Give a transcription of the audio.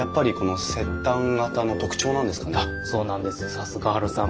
さすがハルさん。